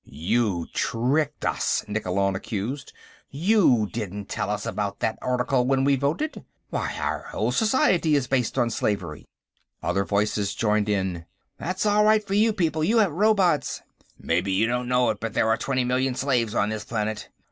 "You tricked us!" Nikkolon accused. "You didn't tell us about that article when we voted. Why, our whole society is based on slavery!" Other voices joined in: "That's all right for you people, you have robots...." "Maybe you don't know it, but there are twenty million slaves on this planet...."